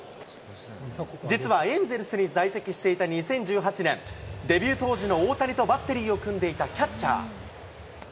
実はエンゼルスに在籍していた２０１８年、デビュー当時の大谷とバッテリーを組んでいたキャッチャー。